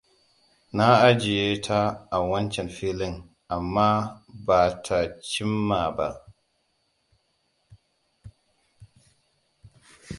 Na ajiyeta a wancan filin, amma ba ta cim ma ba.